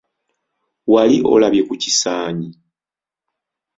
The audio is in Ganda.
Wali olabye ku kisaanyi?